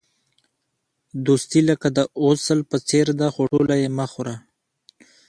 دوستي لکه د عسل په څېر ده، خو ټوله یې مه خوره.